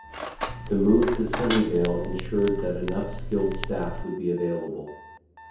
The move to Sunnyvale ensured that enough skilled staff would be available.